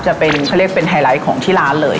จะเป็นไฮไลท์ของที่ร้านเลย